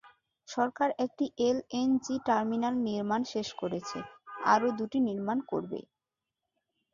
সরকার একটি LNG terminal নির্মাণ শেষ করেছে, আরও দুটি নির্মাণ করবে।